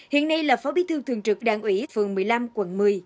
hiện nay là phó bí thư thường trực đảng ủy phường một mươi năm quận một mươi